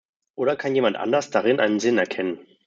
Oder kann jemand anderes darin einen Sinn erkennen?